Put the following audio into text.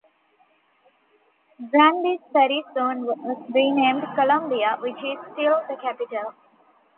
Granby's Ferry soon was renamed Columbia, which is still the capital.